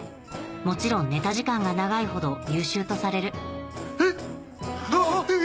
もちろんネタ時間が長いほど優秀とされるえっ⁉あっ！